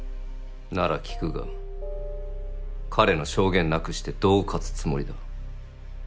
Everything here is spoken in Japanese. なら聞くが彼の証言なくしてどう勝つつもりだ？